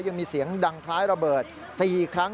ยังมีเสียงดังทไม้ระเบิดสี่ครั้ง